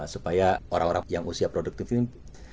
supaya orang orang yang usia produktif ini